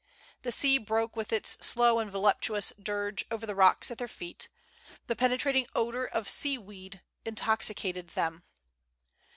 The sea broke with its slow and voluptuous dirge over the rocks at their feet; the penetrating odor of sea weed intoxicated them.